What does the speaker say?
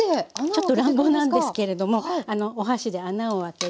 ちょっと乱暴なんですけれどもお箸で穴を開けて。